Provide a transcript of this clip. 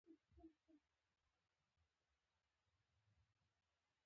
د اوسپنې پټلۍ جوړولو چارې انګرېزانو ته وسپارلې.